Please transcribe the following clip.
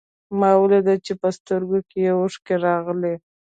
ما وليده چې په سترګو کې يې اوښکې راغلې.